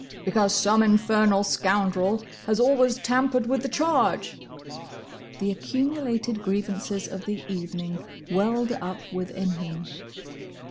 "Because some infernal scoundrel has always tampered with the charge!" The accumulated grievances of the evening welled up within him.